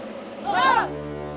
itu kakinya pas